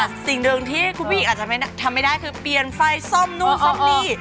แต่สิ่งหนึ่งที่คุณผู้หญิงอาจจะทำไม่ได้คือเปลี่ยนไฟซ่อมนู่นซ่อมนี่